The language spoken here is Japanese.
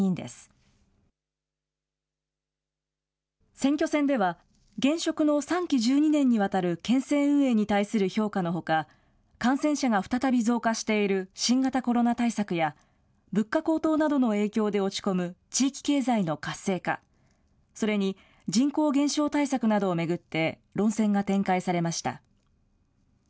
選挙戦では、現職の３期１２年にわたる県政運営に対する評価のほか、感染者が再び増加している新型コロナ対策や、物価高騰などの影響で落ち込む地域経済の活性化、それに人口減少対策などを巡って論戦が展開されました。